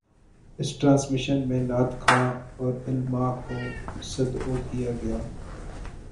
اس transmission میں نعت خواں اور علمأ کو مدعو کیا گیا